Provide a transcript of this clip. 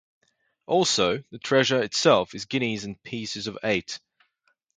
Also, the treasure itself is guineas and pieces of eight.